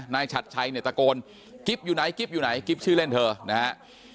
ฉัดชัยเนี่ยตะโกนกิ๊บอยู่ไหนกิ๊บอยู่ไหนกิ๊บชื่อเล่นเธอนะฮะ